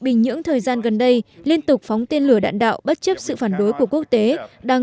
bình nhưỡng thời gian gần đây liên tục phóng tên lửa đạn đạo bất chấp sự phản đối của quốc tế đang